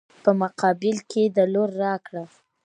په مقابل کې د لور راکړه.